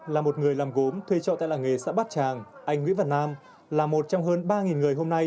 là một người làm gốm thuê trọ tại làng nghề xã bát tràng anh nguyễn văn nam là một trong hơn ba người hôm nay